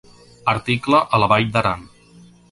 Article a la vall d'Aran.